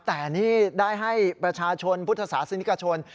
แต่นี่ได้ให้ประชาชนพุทธศาสนิกชน